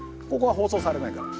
ここは放送されないんだ。